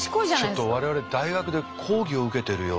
ちょっと我々大学で講義を受けてるような。